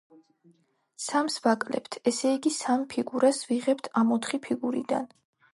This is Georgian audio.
სამს ვაკლებთ, ესე იგი, სამ ფიგურას ვიღებთ ამ ოთხი ფიგურიდან.